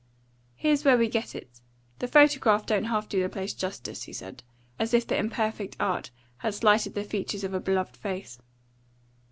"Here's where we get it. This photograph don't half do the place justice," he said, as if the imperfect art had slighted the features of a beloved face.